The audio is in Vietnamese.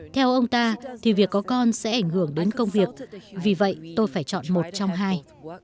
theo ông ta thì việc có con sẽ ảnh hưởng đến công việc vì vậy tôi phải chọn một trong hai